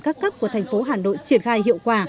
các cấp của thành phố hà nội triển khai hiệu quả